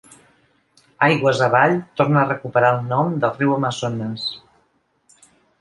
Aigües avall torna a recuperar el nom de riu Amazones.